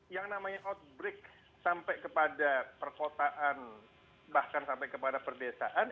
yang namanya outbreak sampai kepada perkotaan bahkan sampai kepada perdesaan